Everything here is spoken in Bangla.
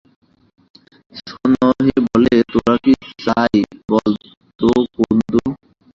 সস্নহে বলে, তোর কী চাই বল্ তো কুন্দ?